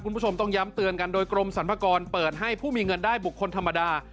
คุณผู้ชมต้องย้ำเตือนกันโดยกรมสรรพากรเปิดให้ผู้มีเงินได้บุคคลธรรมดา